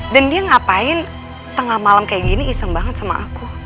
dan dia ngapain tengah malam kayak gini iseng banget sama aku